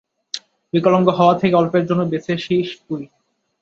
বিকলাঙ্গ হওয়া থেকে অল্পের জন্য বেঁচেছিস তুই।